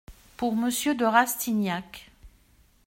Pour monsieur de Rastignac.